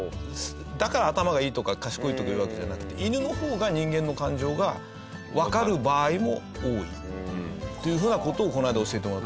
だから頭がいいとか賢いとかいうわけじゃなくて犬の方が人間の感情がわかる場合も多いというふうな事をこの間教えてもらったはい。